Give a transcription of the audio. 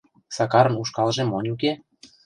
Сакарын ушкалже монь уке.